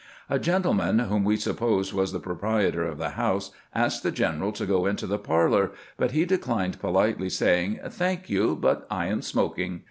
A gentleman whom we supposed was the proprietor of the house asked the general to go into the parlor; but he declined politely, saying, "Thank you, but I am smoking."